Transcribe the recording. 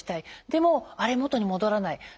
でも「あれ？元に戻らない。